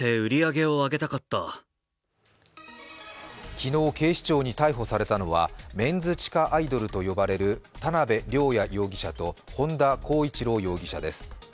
昨日、警視庁に逮捕されたのはメンズ地下アイドルと呼ばれる田辺稜弥容疑者と本田孝一朗容疑者です。